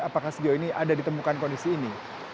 apakah sejauh ini ada ditemukan kondisi ini